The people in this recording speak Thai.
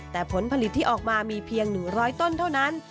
แต่ผลผลิตที่ออกมามีเพียง๑๐๐ต้นเท่านั้น